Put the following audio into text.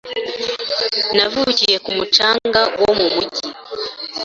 Navukiye ku mucanga wo mu mujyi